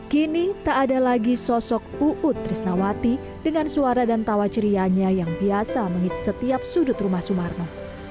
kini tak ada lagi sosok uu trisnawati dengan suara dan tawa cerianya yang biasa mengisi setiap sudut rumah sumarno